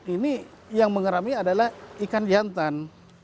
ini yang mengerami adalah ikan jantan